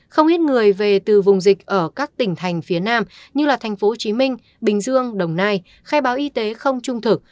không ít người về từ vùng dịch ở các tỉnh thành phía nam như là tp hcm bình dương đồng nai khai báo y tế không trung thực